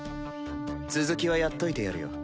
続きはやっといてやるよ。